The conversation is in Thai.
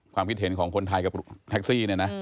ความคิดเห็นของคนไทยกับแท็กซี่เนี่ยนะ